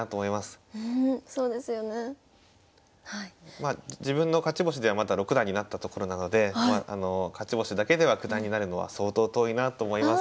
まあ自分の勝ち星ではまだ六段になったところなので勝ち星だけでは九段になるのは相当遠いなと思います。